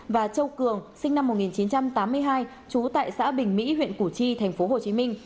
và châu cường sinh năm một nghìn chín trăm tám mươi hai chú tại xã bình mỹ huyện củ chi tp hcm